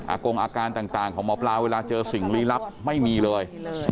กงอาการต่างของหมอปลาเวลาเจอสิ่งลี้ลับไม่มีเลย